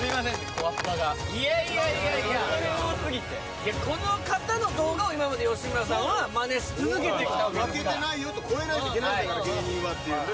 こわっぱがいやいやいやいや恐れ多すぎていやこの方の動画を今まで吉村さんはマネし続けてきたわけですから負けてないよと超えないといけないんだから芸人はっていうね